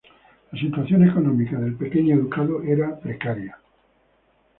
La situación económica del pequeño ducado era precaria.